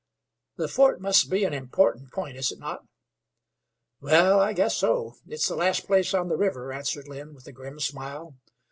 "The fort must be an important point, is it not?" "Wal, I guess so. It's the last place on the river," answered Lynn, with a grim smile.